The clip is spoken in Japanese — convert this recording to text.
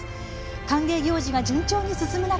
歓迎行事が順調に進む中